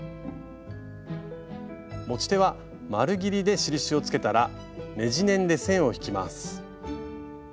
持ち手は丸ぎりで印をつけたらねじネンで線を引きます。